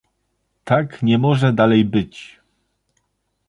Tak nie może dalej być